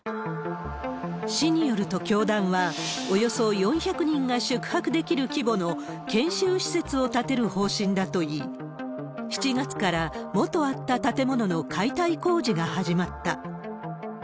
市によると、教団はおよそ４００人が宿泊できる規模の研修施設を建てる方針だといい、７月からもとあった建物の解体工事が始まった。